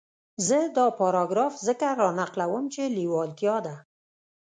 زه دا پاراګراف ځکه را نقلوم چې لېوالتیا ده.